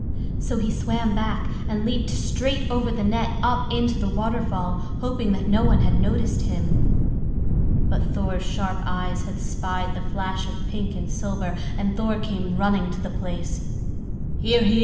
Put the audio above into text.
So he swam back and leaped straight over the net up into the waterfall, hoping that no one had noticed him. But Thor's sharp eyes had spied the flash of pink and silver, and Thor came running to the place. "He is here!"